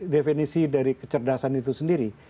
definisi dari kecerdasan itu sendiri